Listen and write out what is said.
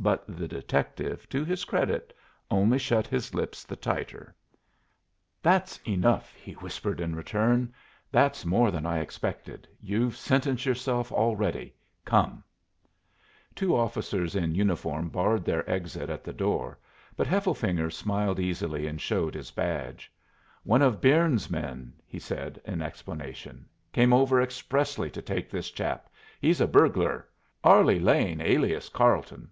But the detective, to his credit, only shut his lips the tighter. "That's enough," he whispered, in return. "That's more than I expected. You've sentenced yourself already. Come!" [Illustration: "For God's sake," Hade begged, "let me go."] Two officers in uniform barred their exit at the door, but Hefflefinger smiled easily and showed his badge. "One of Byrnes's men," he said, in explanation; "came over expressly to take this chap. He's a burglar; 'Arlie' Lane, alias Carleton.